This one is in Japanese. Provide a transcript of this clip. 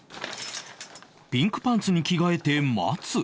ピンクパンツに着替えて待つ